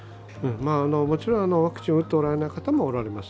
もちろんワクチンを打っておられない方もおられます。